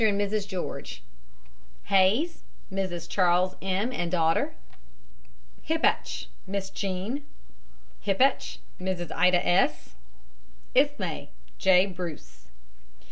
AND MRS. GEORGE. HAYS, MRS. CHARLES M., and daughter. HIPPACH, MISS JEAN. HIPPACH, MRS. IDA S. ISMAY, J. BRUCE.